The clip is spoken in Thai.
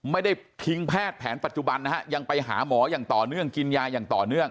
ไม่ได้ทิ้งแพทย์แผนปัจจุบันนะฮะยังไปหาหมออย่างต่อเนื่องกินยาอย่างต่อเนื่อง